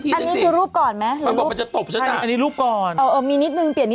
จมูกแสดงว่ารูปนั้นจมูกยังบวมอยู่จมูกยังไม่เข้าที่คุณไม่รู้หน้าเปลี่ยนอะไรใช่หรือเป็นแก่ลง